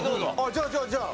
じゃあじゃあじゃあ。